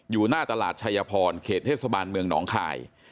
อยู่หน้าตลาดชายพรเขตเทศบาลเมืองหนองคาย